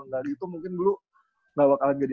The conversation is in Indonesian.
gak gitu mungkin dulu gak bakal jadi